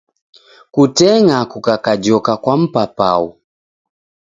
Kuteng'a kukajoka kwa mpapau